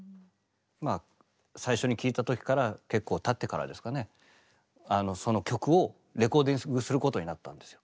まあ最初に聴いた時から結構たってからですかねその曲をレコーディングすることになったんですよ。